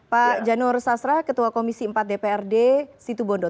pak janur sasra ketua komisi empat dprd situ bondo